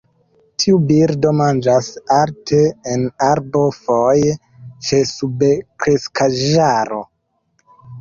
Tiu birdo manĝas alte en arbo, foje ĉe subkreskaĵaro.